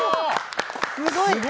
すごい。